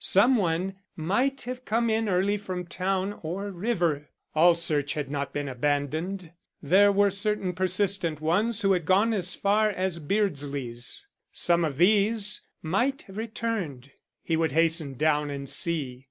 Some one might have come in early from town or river. All search had not been abandoned. There were certain persistent ones who had gone as far as Beardsley's. Some of these might have returned. He would hasten down and see.